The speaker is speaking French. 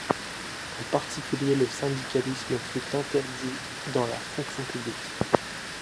En particulier, le syndicalisme fut interdit dans la fonction publique.